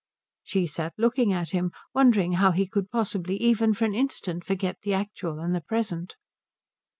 She sat looking at him, wondering how he could possibly even for an instant forget the actual and the present.